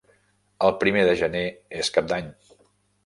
El primer de gener és Cap d'Any.